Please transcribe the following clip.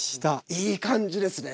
いい感じですね。